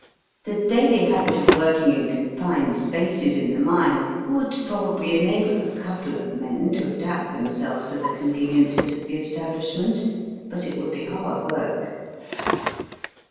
The daily habit of working in con fined spaces in the mine would probably enable a couple of men to adapt themselves to the conveniences of the establishment, but it would be hard work.